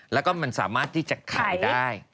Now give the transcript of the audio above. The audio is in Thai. แล้วก็มันสามารถที่จะขายได้